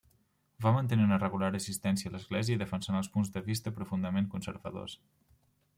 Va mantenir una regular assistència a l'església i defensant punts de vista profundament conservadors.